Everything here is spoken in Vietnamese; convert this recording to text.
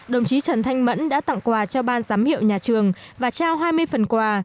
đồng chí trần thanh mẫn đã tặng quà cho ban giám hiệu nhà trường và trao hai mươi phần quà